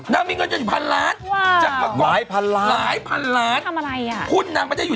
นี่ไงนางสุชาติอยู่